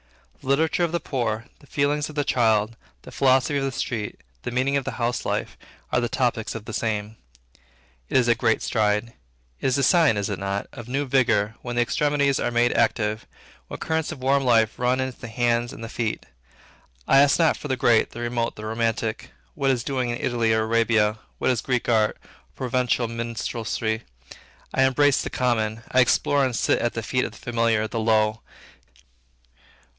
The literature of the poor, the feelings of the child, the philosophy of the street, the meaning of household life, are the topics of the time. It is a great stride. It is a sign, is it not? of new vigor, when the extremities are made active, when currents of warm life run into the hands and the feet. I ask not for the great, the remote, the romantic; what is doing in Italy or Arabia; what is Greek art, or Provencal minstrelsy; I embrace the common, I explore and sit at the feet of the familiar, the low.